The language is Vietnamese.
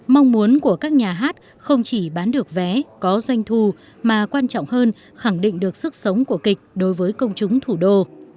mong muốn của các nhà hát không chỉ bán được vé có doanh thu mà quan trọng hơn khẳng định được sức sống của kịch đối với công chúng thủ đô